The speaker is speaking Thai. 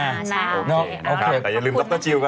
พี่นี่ไปถามเรื่องส่วนตัวได้ไหมคะ